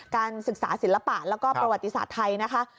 การศึกษาศิลปะแล้วก็ประวัติศาสตร์ไทยนะคะ